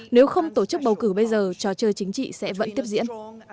nếu không tổ chức bầu cử bây giờ trò chơi chính trị sẽ vẫn tiếp diễn